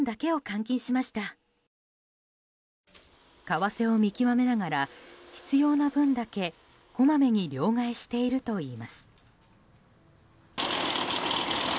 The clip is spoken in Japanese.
為替を見極めながら必要な分だけこまめに両替しているといいます。